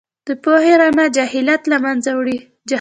د پوهې رڼا جهالت له منځه وړي.